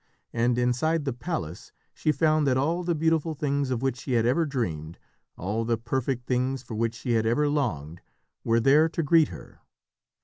And inside the palace she found that all the beautiful things of which she had ever dreamed, all the perfect things for which she had ever longed, were there to greet her.